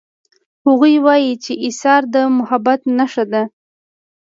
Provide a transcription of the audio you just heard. هغوی وایي چې ایثار د محبت نښه ده